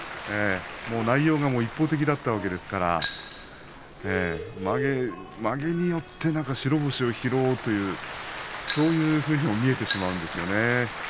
内容が一方的だったわけですからまげによって白星を拾おうというそういうふうに見えてしまうんですね。